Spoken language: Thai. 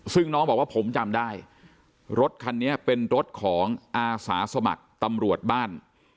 ซึ่งน้องบอกว่าผมจำได้รถคันนี้เป็นรถของอาสาสมัครตำรวจบ้าน